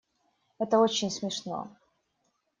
Это очень смешно.